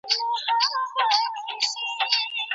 طبي کثافات ولي ښاروالۍ ته نه ورکول کیږي؟